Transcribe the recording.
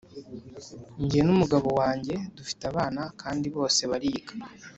njye n‘umugabo wanjye dufite abana kandi bose bariga.